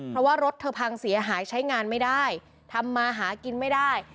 เพราะว่ารถเธอพังเสียหายใช้งานไม่ได้ทำมาหากินไม่ได้